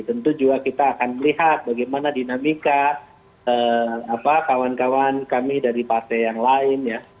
tentu juga kita akan melihat bagaimana dinamika kawan kawan kami dari partai yang lain ya